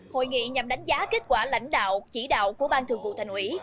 hội nghị nhằm đánh giá kết quả lãnh đạo chỉ đạo của ban thường vụ thành ủy